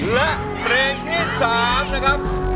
และเพลงที่๓นะครับ